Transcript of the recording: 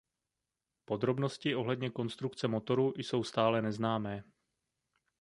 Podrobnosti ohledně konstrukce motoru jsou stále neznámé.